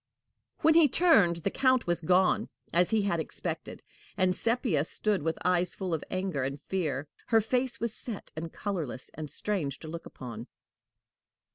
When he turned, the Count was gone, as he had expected, and Sepia stood with eyes full of anger and fear. Her face was set and colorless, and strange to look upon.